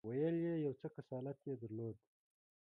ویل یې یو څه کسالت یې درلود.